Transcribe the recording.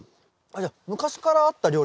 じゃあ昔からあった料理なんですか？